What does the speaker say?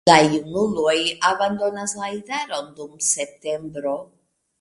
La junuloj abandonas la idaron dum septembro.